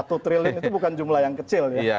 satu triliun itu bukan jumlah yang kecil ya